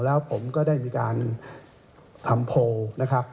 แล้วผมก็ได้มีการทำโพลนะครับ